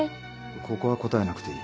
ここは答えなくていい。